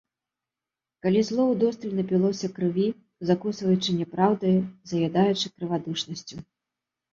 Калі зло ўдосталь напілося крыві, закусваючы няпраўдаю, заядаючы крывадушнасцю.